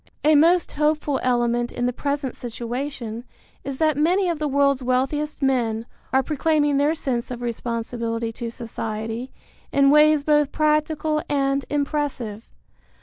A most hopeful element in the present situation is that many of the world's wealthiest men are proclaiming their sense of responsibility to society in ways both practical and impressive.